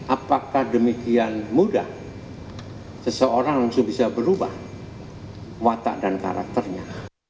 apakah demikian mudah seseorang langsung bisa berubah watak dan karakternya